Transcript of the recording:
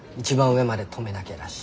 上まで留めなきゃだし